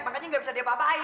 makanya gak bisa diapa apain